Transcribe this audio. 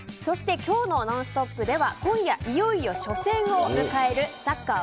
そして今日の「ノンストップ！」では今夜いよいよ初戦を迎えるサッカー